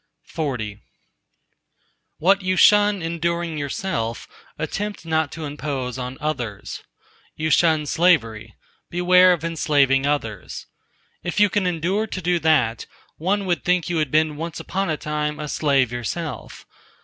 XLI What you shun enduring yourself, attempt not to impose on others. You shun slavery—beware of enslaving others! If you can endure to do that, one would think you had been once upon a time a slave yourself.